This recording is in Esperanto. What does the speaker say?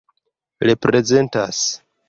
reprezentas